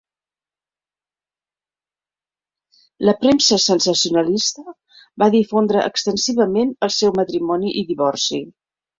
La premsa sensacionalista va difondre extensivament el seu matrimoni i divorci.